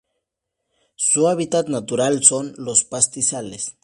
Su hábitat natural son los pastizales.